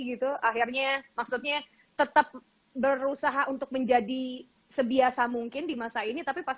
gitu akhirnya maksudnya tetap berusaha untuk menjadi sebisa mungkin di masa ini tapi pas